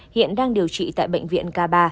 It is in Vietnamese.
hiện đang điều trị tại bệnh viện k ba